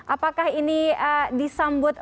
apakah ini disambut